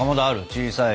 小さい。